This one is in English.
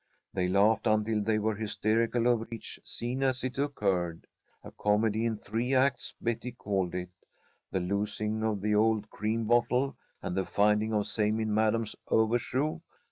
They laughed until they were hysterical over each scene as it occurred. A comedy in three acts, Betty called it the losing of the cold cream bottle and the finding of same in madam's overshoe.